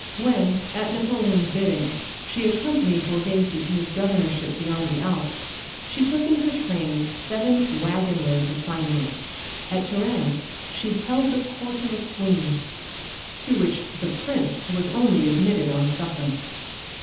When, at Napoleon's bidding, she accompanied Borghese to his Governorship beyond the Alps, she took in her train seven wagon loads of finery. At Turin she held the Court of a Queen, to which the Prince was only admitted on sufferance.